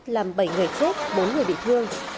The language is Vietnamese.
làm bảy người chết bốn người bị thương